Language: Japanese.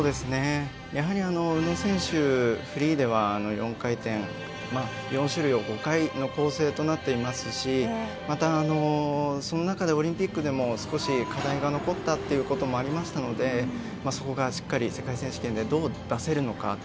やはり宇野選手、フリーでは４回転４種類を５回の構成となっているしその中でオリンピックでも課題が残ったということもあったのでそこがしっかり世界選手権でどう出せるのか